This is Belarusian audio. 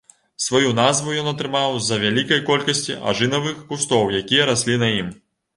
Сваю назву ён атрымаў з-за вялікай колькасці ажынавых кустоў, якія раслі на ім.